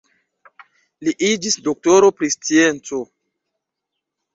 Li iĝis doktoro pri scienco.